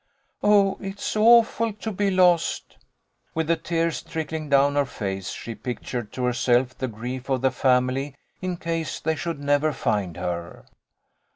Oh, it's awful to be lost !" With the tears trickling down her face she pictured to herself the grief of the family in case they should never find her.